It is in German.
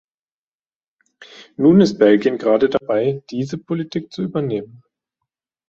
Nun ist Belgien gerade dabei, diese Politik zu übernehmen.